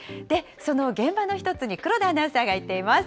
その現場の１つに黒田アナウンサーが行っています。